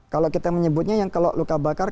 kalau kita menyebutnya yang kalau luka bakar